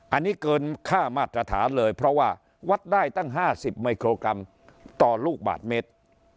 อันนี้เกินค่ามาตรฐานเลยเพราะว่าวัดได้ตั้ง๕๐มิโครกรัมต่อลูกบาทเมตร